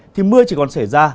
thì mưa chỉ còn xảy ra